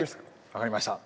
分かりました。